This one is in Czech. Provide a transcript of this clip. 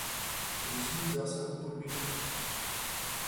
To musí být zásadní podmínka.